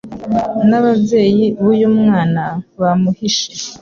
n'ababyeyi b'uyu mwana bamuhishe